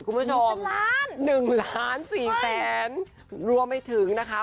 คุณผู้ชมหรือจังละหนึ่งล้านสี่แสนรวมให้ถึงนะคะ